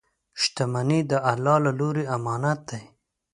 • شتمني د الله له لورې امانت دی.